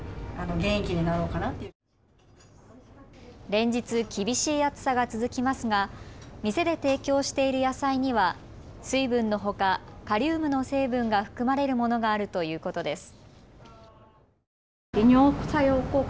連日厳しい暑さが続きますが店で提供している野菜には水分のほか、カリウムの成分が含まれるものがあるということです。